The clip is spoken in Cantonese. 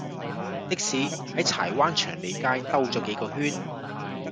的士喺柴灣祥利街兜左幾個圈